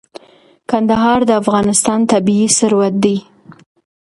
کندهار د افغانستان طبعي ثروت دی.